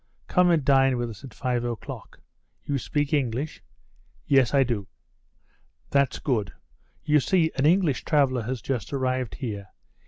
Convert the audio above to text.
Come and dine with us at five o'clock. You speak English?" "Yes, I do." "That's good. You see, an English traveller has just arrived here.